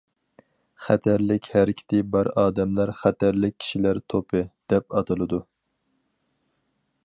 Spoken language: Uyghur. خەتەرلىك ھەرىكىتى بار ئادەملەر خەتەرلىك كىشىلەر توپى، دەپ ئاتىلىدۇ.